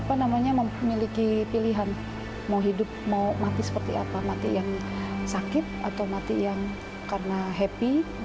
apa namanya memiliki pilihan mau hidup mau mati seperti apa mati yang sakit atau mati yang karena happy